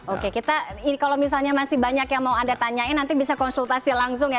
oke kita kalau misalnya masih banyak yang mau anda tanyain nanti bisa konsultasi langsung ya